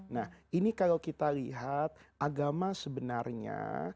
nah ini kalau kita lihat agama sebenarnya